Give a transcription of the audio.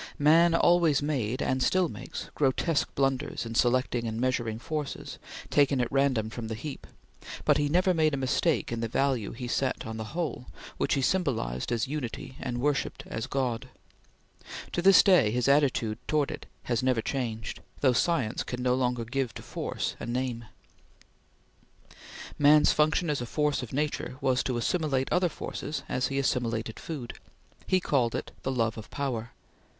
Man always made, and still makes, grotesque blunders in selecting and measuring forces, taken at random from the heap, but he never made a mistake in the value he set on the whole, which he symbolized as unity and worshipped as God. To this day, his attitude towards it has never changed, though science can no longer give to force a name. Man's function as a force of nature was to assimilate other forces as he assimilated food. He called it the love of power.